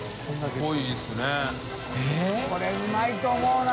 これうまいと思うな。